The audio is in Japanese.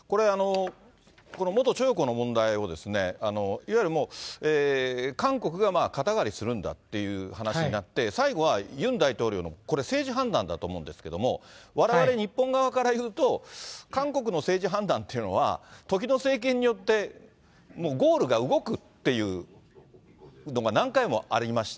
この元徴用工の問題を、いわゆる韓国が肩代わりするんだっていう話になって、最後はユン大統領の政治判断だと思うんですけれども、われわれ日本側から言うと、韓国の政治判断っていうのは、時の政権によってもうゴールが動くっていうのが何回もありました。